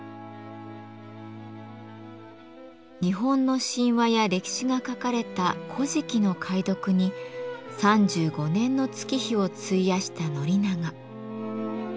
日本の神話や歴史が書かれた「古事記」の解読に３５年の月日を費やした宣長。